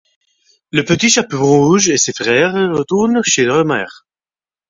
Le petit chaperon rouge et ses frères retournent chez leur mère.